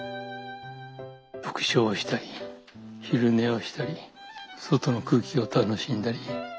読書をしたり昼寝をしたり外の空気を楽しんだり。